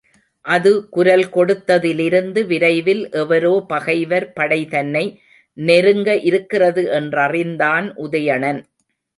அது குரல் கொடுத்ததிலிருந்து விரைவில் எவரோ பகைவர் படை தன்னை நெருங்க இருக்கிறது என்றறிந்தான் உதயணன்.